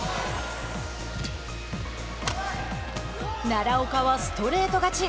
奈良岡はストレート勝ち。